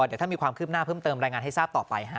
เดี๋ยวถ้ามีความคืบหน้าเพิ่มเติมรายงานให้ทราบต่อไป